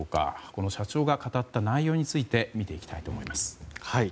この社長が語った内容について見ていきたいと思います。